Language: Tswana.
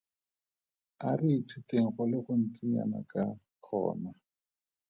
A re ithuteng go le gontsinyana ka gona.